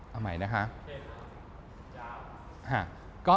เอาใหม่นะคะ